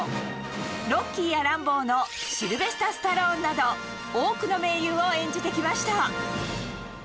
ロッキーやランボーのシルベスタ・スタローンなど、多くの名優を演じてきました。